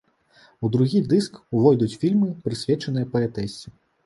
У другі дыск увойдуць фільмы, прысвечаныя паэтэсе.